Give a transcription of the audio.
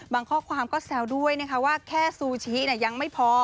ข้อความก็แซวด้วยนะคะว่าแค่ซูชิยังไม่พอ